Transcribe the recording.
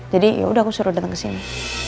jadi ya udah aku suruh datang ke sini